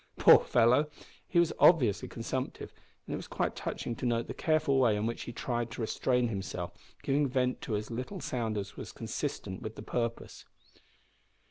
Poor fellow! He was obviously consumptive, and it was quite touching to note the careful way in which he tried to restrain himself, giving vent to as little sound as was consistent with his purpose.